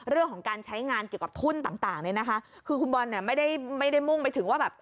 เรื่องของการใช้งานเกี่ยวกับทุนต่างคือคุณบอลไม่ได้มุ่งไปถึงว่า